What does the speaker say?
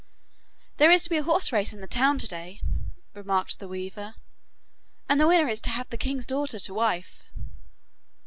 'There is to be a horse race in the town to day,' remarked the weaver, 'and the winner is to have the king's daughter to wife.